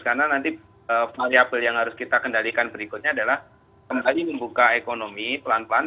karena nanti variable yang harus kita kendalikan berikutnya adalah kembali membuka ekonomi pelan pelan